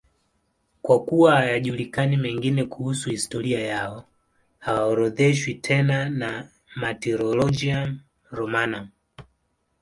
Kwa kuwa hayajulikani mengine kuhusu historia yao, hawaorodheshwi tena na Martyrologium Romanum.